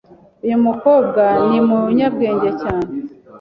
Uyu mukobwa numunyabwenge cyane.